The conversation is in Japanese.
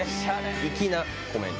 粋なコメント。